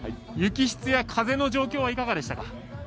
雪質や風の状況はいかがでしたか。